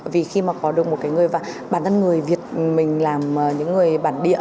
vì khi mà có được một cái người và bản thân người việt mình làm những người bản địa